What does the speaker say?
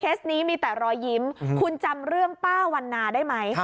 นี้มีแต่รอยยิ้มคุณจำเรื่องป้าวันนาได้ไหม